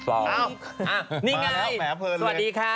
เอ้านี่ไงสวัสดีค่ะ